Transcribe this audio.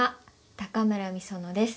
高村美園です。